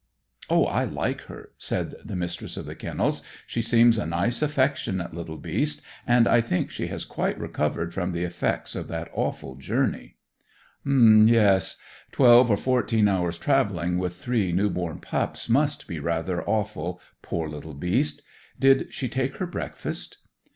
"Oh, I like her," said the Mistress of the Kennels. "She seems a nice affectionate little beast, and I think she has quite recovered from the effects of that awful journey." [Illustration: Finn and his foster mother] "Um! Yes, twelve or fourteen hours' travelling with three new born pups must be rather awful poor little beast! Did she take her breakfast?"